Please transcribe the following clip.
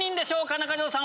⁉中条さん